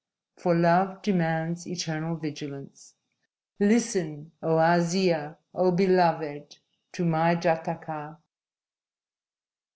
_ For love demands eternal vigilance. _LISTEN, O AZZIA, O BELOVED, TO MY JATAKA!